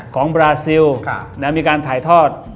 ของบราซิลแล้วมีการถ่ายทอด